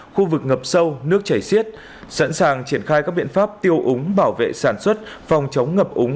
khu vực ngập sâu nước chảy xiết sẵn sàng triển khai các biện pháp tiêu úng bảo vệ sản xuất phòng chống ngập úng